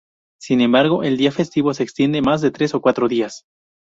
Sin embargo, el día festivo se extiende más de tres o cuatro días.